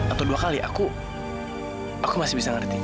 atau dua kali aku aku masih bisa ngerti